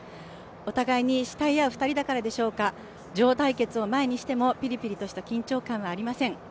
お互いに慕い合う２人だからでしょうか、女王対決を前にしてもピリピリとした緊張感はありません。